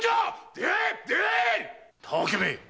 出会え！